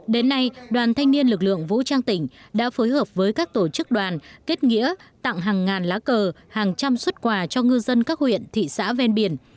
đến nay đoàn thanh niên lực lượng vũ trang tỉnh đã phối hợp với các tổ chức đoàn kết nghĩa tặng hàng ngàn lá cờ hàng trăm xuất quà cho ngư dân các huyện thị xã ven biển